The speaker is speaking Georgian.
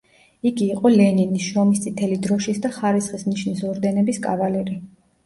იგი იყო ლენინის, შრომის წითელი დროშის და ხარისხის ნიშნის ორდენების კავალერი.